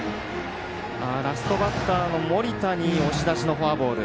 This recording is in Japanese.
ラストバッターの盛田に押し出しのフォアボール。